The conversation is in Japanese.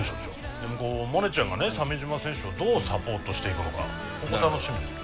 でもモネちゃんがね鮫島選手をどうサポートしていくのかここ楽しみですね。